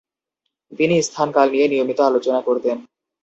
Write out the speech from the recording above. তিনি স্থান-কাল নিয়ে নিয়মিত আলোচনা করতেন।